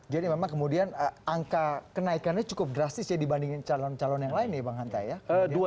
jadi memang kemudian angka kenaikannya cukup drastis ya dibandingin calon calon yang lain nih bang hantai ya